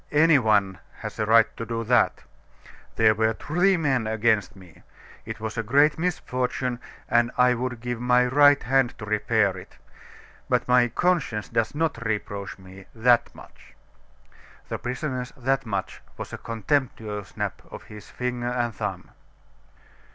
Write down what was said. Any one has a right to do that. There were three men against me. It was a great misfortune; and I would give my right hand to repair it; but my conscience does not reproach me that much!" The prisoner's "that much," was a contemptuous snap of his finger and thumb.